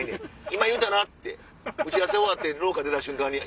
今言うたな？って打ち合わせ終わって廊下出た瞬間に。